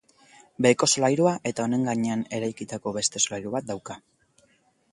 Beheko solairua eta honen gainean eraikitako beste solairu bat dauka.